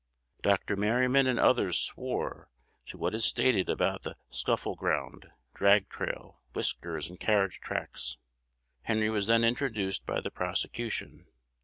Dr. Merryman and others swore to what is stated about the scuffle ground, drag trail, whiskers, and carriage tracks. Henry was then introduced by the prosecution.